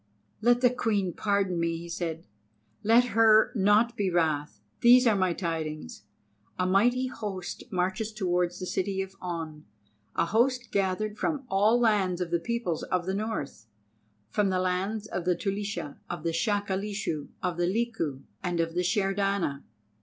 "Let the Queen pardon me," he said. "Let her not be wrath. These are my tidings. A mighty host marches towards the city of On, a host gathered from all lands of the peoples of the North, from the lands of the Tulisha, of the Shakalishu, of the Liku, and of the Shairdana.